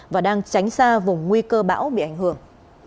và đang tránh xa vùng nguy cơ bão bị ảnh hưởng